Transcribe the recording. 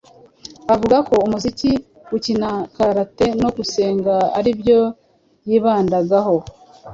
avuga ko umuziki, gukina Karate no gusenga ari byo yibandagaho,